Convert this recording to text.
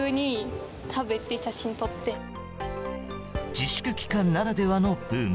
自粛期間ならではのブーム